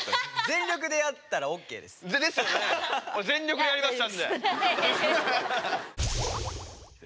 全力でやったらオッケーです。ですよね？